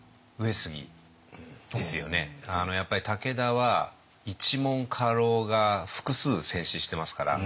やっぱり武田は一門家老が複数戦死してますから。